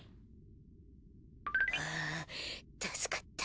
はあたすかった。